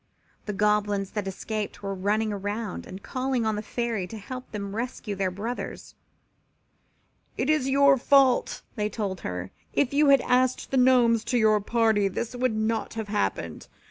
The Goblins that escaped were running around and calling on the Queen to help them rescue their brothers. "It is all your fault," they told her. "If you had asked the Gnomes to your party this would not have happened.